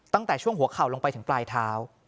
ตั้งแต่ช่วงหัวเข่าลงไปถึงปลายเท้า